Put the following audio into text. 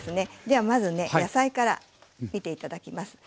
ではまずね野菜から見て頂きます。